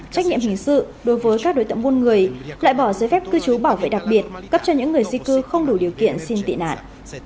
trách nhiệm hình sự đối với các đối tượng buôn người loại bỏ giấy phép cư trú bảo vệ đặc biệt cấp cho những người di cư không đủ điều kiện xin tị nạn